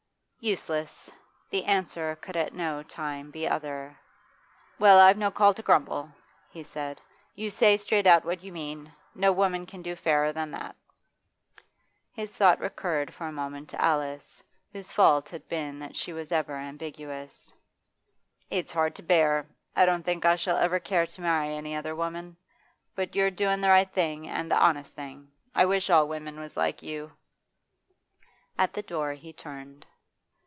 Useless; the answer could at no time be other. 'Well, I've no call to grumble,' he said. 'You say straight out what you mean. No woman can do fairer than that.' His thought recurred for a moment to Alice, whose fault had been that she was ever ambiguous. 'It's hard to bear. I don't think I shall ever care to marry any other woman. But you're doin' the right thing and the honest thing; I wish all women was like you.' At the door he turned.